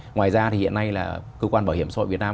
ngoài ra thì hiện nay là cơ quan bảo hiểm xã hội việt nam